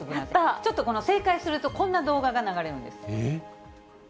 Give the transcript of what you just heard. ちょっと正解するとこんな動画が流れるんです。